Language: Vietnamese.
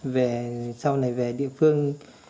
về sau này về địa phương